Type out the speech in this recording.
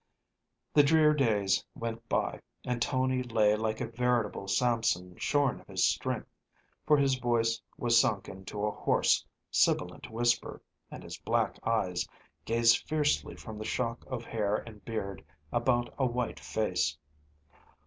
The drear days went by, and Tony lay like a veritable Samson shorn of his strength, for his voice was sunken to a hoarse, sibilant whisper, and his black eyes gazed fiercely from the shock of hair and beard about a white face.